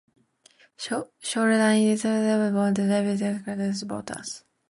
Shoreline has had strong support with bond and levy measures from the district's voters.